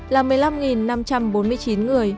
là một mươi năm năm trăm bốn mươi chín người